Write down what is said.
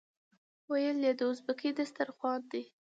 ویل یې دا ازبکي دسترخوان دی.